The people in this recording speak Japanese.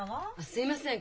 すいません。